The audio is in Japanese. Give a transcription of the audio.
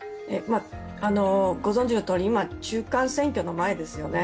ご存じのとおり、今、中間選挙の前ですよね。